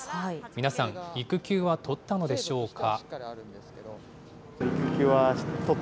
皆さん、育休は取ったのでしょうか。